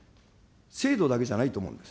制度だけじゃないと思うんです。